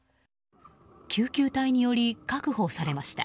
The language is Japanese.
救急隊により確保されました。